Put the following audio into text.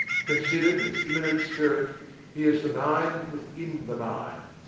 Considered as Immanent Spirit, He is "the Mind within the mind."